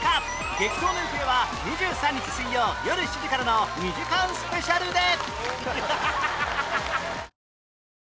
激闘の行方は２３日水曜よる７時からの２時間スペシャルで